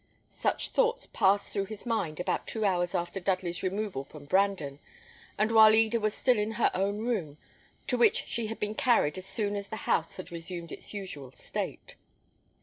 Such thoughts passed through his mind about two hours after Dudley's removal from Brandon, and while Eda was still in her own room, to which she had been carried as soon as the house had resumed its usual state.